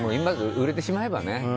売れてしまえばね。